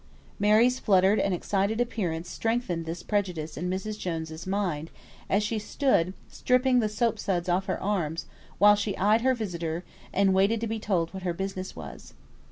Mary's fluttered and excited appearance strengthened this prejudice in Mrs. Jones's mind, as she stood, stripping the soap suds off her arms, while she eyed her visitor, and waited to be told what her business was.